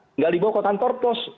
tidak dibawa ke kantor pos